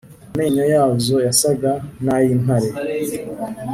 amenyo yazo yasaga n’ay’intare.